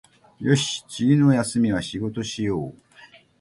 よし、次の休みは仕事しよう